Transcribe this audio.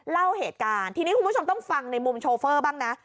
เล่าเหตุการณ์ทีนี้คุณผู้ชมต้องฟังในมุมโชเฟอร์บ้างนะ